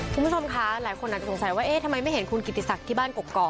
คุณผู้ชมคะหลายคนอาจจะสงสัยว่าเอ๊ะทำไมไม่เห็นคุณกิติศักดิ์ที่บ้านกกอก